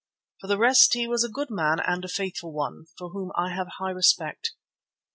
For the rest he was a good man and a faithful one, for whom I have a high respect.